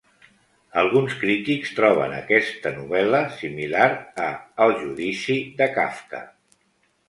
Alguns crítics troben aquesta novel·la similar a "El Judici" de Kafka.